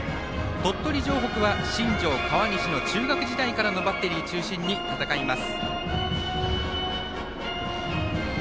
鳥取城北は新庄、河西の中学時代からのバッテリー中心に戦います。